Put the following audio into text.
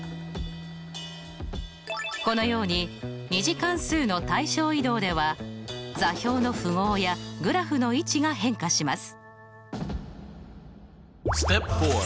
このように２次関数の対称移動では座標の符号やグラフの位置が変化します。